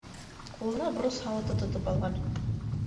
Ҡулына борос һауыты тотоп алған.